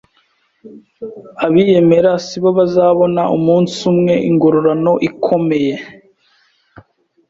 Abiyemera si bo bazabona umunsi umwe ingororano ikomeye